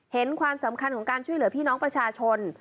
ความสำคัญของการช่วยเหลือพี่น้องประชาชน